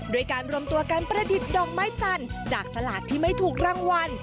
โดยการรวมตัวการประดิษฐ์ดอกไม้จันทร์จากสลากที่ไม่ถูกรางวัล